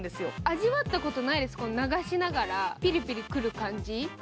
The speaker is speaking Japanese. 味わったことないです、流しながらピリピリ来る感じ。